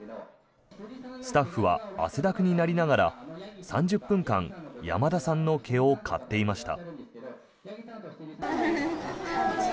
スタッフは汗だくになりながら３０分間山田さんの毛を刈っていました。